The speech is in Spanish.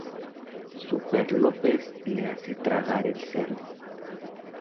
Superlópez le hace tragar el cerdo.